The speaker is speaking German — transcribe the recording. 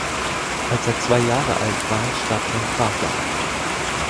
Als er zwei Jahre alt war, starb sein Vater.